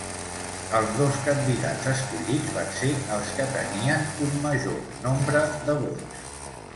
Els dos candidats escollits van ser els que tenien un major nombre de vots.